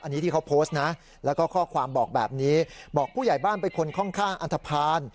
อันนี้ที่เขาโพสต์นะแล้วก็ข้อความบอกแบบนี้บอกผู้ใหญ่บ้านเป็นคนค่อนข้างอันทภาณ